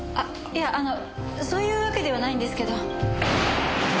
いやあのそういうわけではないんですけど。